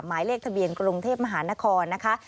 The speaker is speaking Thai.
หมายเลขทะเบียนกรุงเทพมหานครนะคะ